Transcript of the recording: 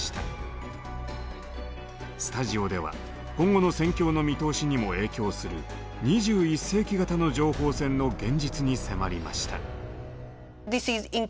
スタジオでは今後の戦況の見通しにも影響する２１世紀型の情報戦の現実に迫りました。